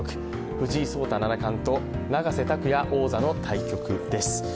藤井聡太七冠と永瀬拓矢王座の対局です。